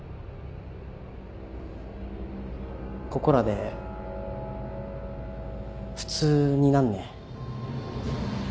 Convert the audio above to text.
ここらで普通になんねえ？